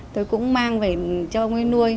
tôi cũng mang về cho ông ấy nuôi